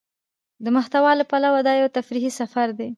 د محتوا له پلوه دا يو تفريحي سفر دى.